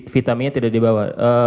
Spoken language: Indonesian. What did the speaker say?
vitaminnya tidak dibawa